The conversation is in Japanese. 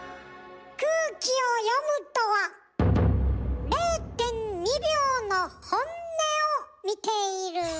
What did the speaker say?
空気を読むとは０．２秒の本音を見ている。